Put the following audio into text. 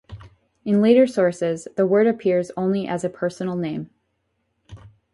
In later sources the word appears only as a personal name.